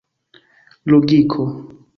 logiko